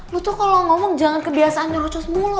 lo tuh kalau ngomong jangan kebiasaan nyerocos mulu